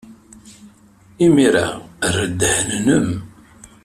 Imir-a, err ddehn-nnem.